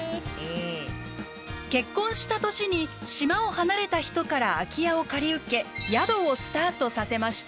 結婚した年に島を離れた人から空き家を借り受け宿をスタートさせました。